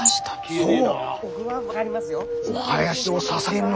そう。